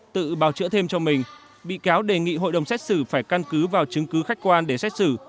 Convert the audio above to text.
tự bào chữa thêm cho mình bị cáo đề nghị hội đồng xét xử phải căn cứ vào chứng cứ khách quan để xét xử